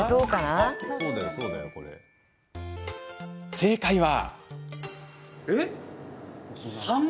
正解は。